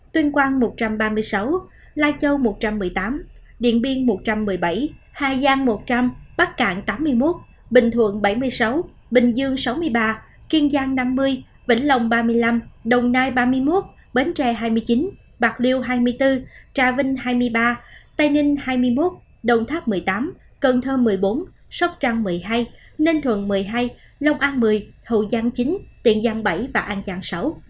tuyên quang một trăm ba mươi sáu lai châu một trăm một mươi tám điện biên một trăm một mươi bảy hà giang một trăm linh bắc cạn tám mươi một bình thuận bảy mươi sáu bình dương sáu mươi ba kiên giang năm mươi vĩnh lòng ba mươi năm đồng nai ba mươi một bến trè hai mươi chín bạc liêu hai mươi bốn trà vinh hai mươi ba tây ninh hai mươi một đồng tháp một mươi tám cần thơ một mươi bốn sóc trăng một mươi hai ninh thuận một mươi hai lông an một mươi hậu giang chín tiền giang bảy và an giang sáu